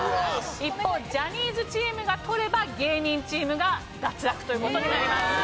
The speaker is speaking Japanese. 一方ジャニーズチームが取れば芸人チームが脱落という事になります。